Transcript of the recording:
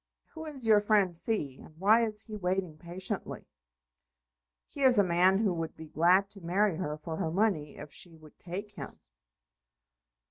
Who is your friend C., and why is he waiting patiently?" "He is a man who would be glad to marry her for her money, if she would take him."